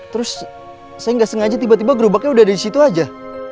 terus saya gak sengaja tiba tiba gerobaknya udah ada disitu aja